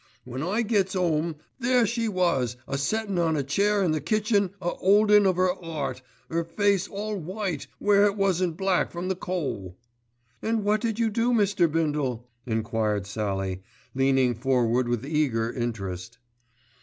When I gets 'ome there she was a settin' on a chair in the kitchen a 'oldin' of 'er 'eart, 'er face all white where it wasn't black from the coal." "And what did you do, Mr. Bindle?" enquired Sallie, leaning forward with eager interest.